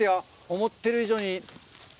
思ってる以上に。